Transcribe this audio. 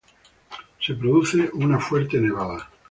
Se produce una fuerte nevada.